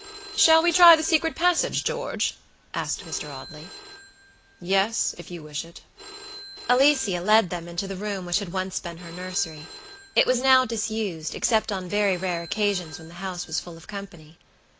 "Shall we try the secret passage, George?" asked Mr. Audley. "Yes, if you wish it." Alicia led them into the room which had once been her nursery. It was now disused, except on very rare occasions when the house was full of company.